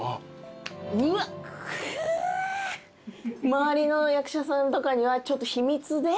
周りの役者さんとかにはちょっと秘密で。